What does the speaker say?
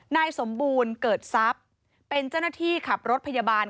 นายสมบูรณ์เกิดทรัพย์เป็นเจ้าหน้าที่ขับรถพยาบาล